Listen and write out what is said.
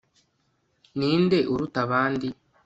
Ninde uruta abandi